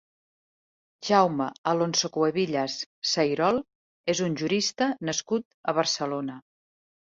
Jaume Alonso-Cuevillas Sayrol és un jurista nascut a Barcelona.